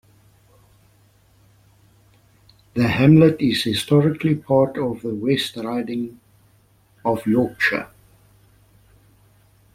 The hamlet is Historically part of the West Riding of Yorkshire.